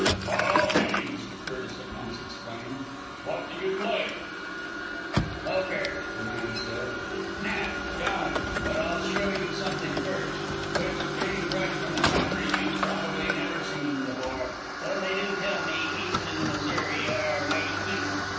"By all means," Curtis at once exclaimed. "What do you play?" "Poker!" the man said, "Nap! Don! But I'll show you something first, which, being fresh from the country, you've probably never seen before, though they do tell me people in Missouri are mighty cute."